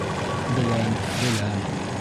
Беләм, беләм...